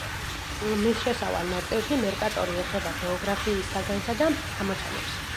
მის შესავალ ნაწილში მერკატორი ეხება გეოგრაფიის საგანსა და ამოცანებს.